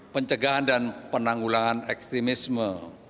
pencegahan dan penanggulangan ekstremisme